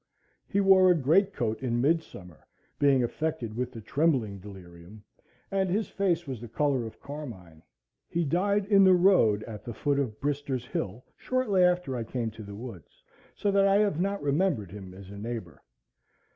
He wore a great coat in mid summer, being affected with the trembling delirium, and his face was the color of carmine. He died in the road at the foot of Brister's Hill shortly after I came to the woods, so that I have not remembered him as a neighbor.